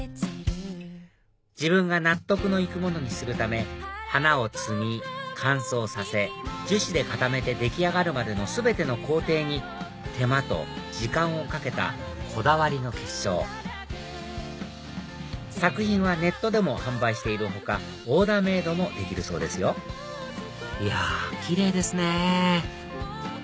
自分が納得の行くものにするため花を摘み乾燥させ樹脂で固めて出来上がるまでの全ての工程に手間と時間をかけたこだわりの結晶作品はネットでも販売している他オーダーメイドもできるそうですよいやキレイですね